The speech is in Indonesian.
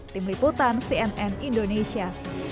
tim liputan cnn indonesia